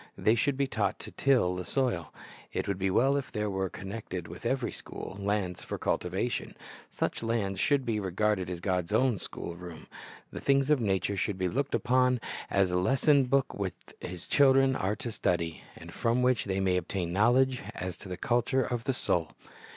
They should be taught to till the soil. It would be well if there were, connected with every school, lands for cultivation. Such lands should be regarded as God's own school room. The things of nature should be looked upon as a 1 I Cor. 15 : 42, 43 88 CJirist's Object Lessons lesson book which His children are to study, and from which they may obtain knowledge as to the culture of the soul.